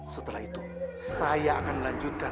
setelah itu saya akan melanjutkan